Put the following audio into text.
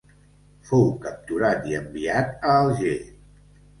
Fou capturat i enviat a Alger.